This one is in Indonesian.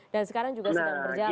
dan sekarang juga sedang berjalan